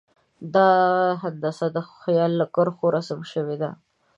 دا هندسه د خیال له کرښو رسم شوې ده.